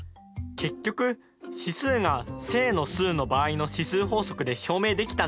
結局指数が正の数の場合の指数法則で証明できたんですね。